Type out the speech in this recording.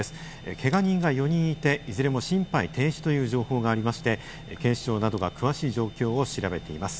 けが人が４人いて、いずれも心肺停止という情報がありまして、警視庁などが詳しい状況を調べています。